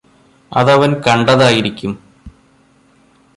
അതവൻ കണ്ടതായിരിക്കും.